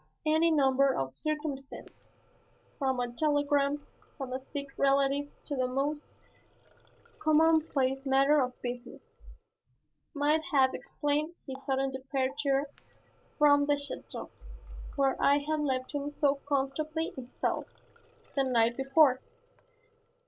Any number of circumstances, from a telegram from a sick relative to the most commonplace matter of business, might have explained his sudden departure from the château where I had left him so comfortably installed the night before.